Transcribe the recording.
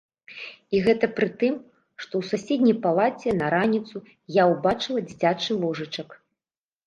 І гэта пры тым, што ў суседняй палаце на раніцу я ўбачыла дзіцячы ложачак.